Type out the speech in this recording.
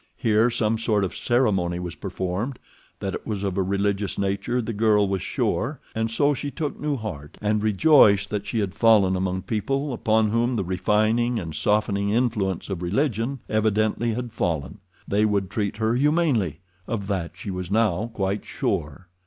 Here some sort of ceremony was performed—that it was of a religious nature the girl was sure, and so she took new heart, and rejoiced that she had fallen among people upon whom the refining and softening influences of religion evidently had fallen. They would treat her humanely—of that she was now quite sure.